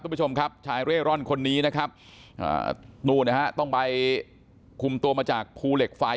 คุณผู้ชมครับชายเร่ร่อนคนนี้นะครับนู่นนะฮะต้องไปคุมตัวมาจากภูเหล็กไฟ